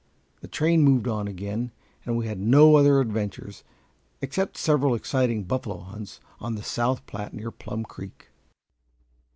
The train moved on again, and we had no other adventures, except several exciting buffalo hunts on the South Platte near Plum Creek.